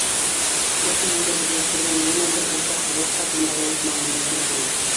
Дүртеһен дә берләштергән йәнә бер уртаҡ һыҙат хаҡында ла әйтмәү мөмкин түгел.